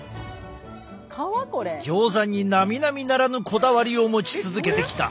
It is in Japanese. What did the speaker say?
ギョーザになみなみならぬこだわりを持ち続けてきた。